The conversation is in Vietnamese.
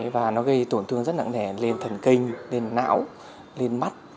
và nó gây tổn thương rất nặng nề lên thần kinh lên não lên mắt